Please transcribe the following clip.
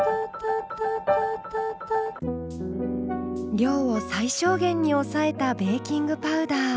量を最小限に抑えたベーキングパウダー。